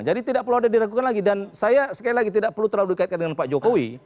jadi tidak perlu ada diragukan lagi dan saya sekali lagi tidak perlu terlalu dikaitkan dengan pak jokowi